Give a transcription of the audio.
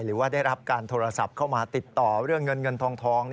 หรือว่าได้รับการโทรศัพท์เข้ามาติดต่อเรื่องเงินเงินทอง